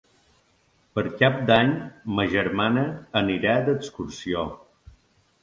Per Cap d'Any ma germana anirà d'excursió.